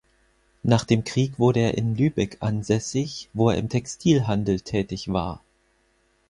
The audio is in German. Nach dem Krieg wurde er in Lübeck ansässig, wo er im Textilhandel tätig war.